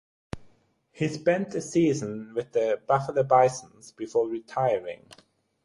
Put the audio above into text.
He spent the season with the Buffalo Bisons before retiring.